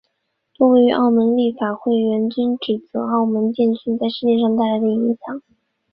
多位澳门立法会议员均指责澳门电讯在事件上带来的影响。